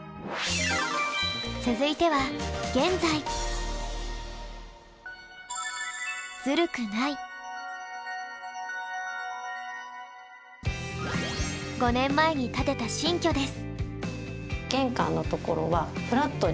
続いては５年前に建てた新居です。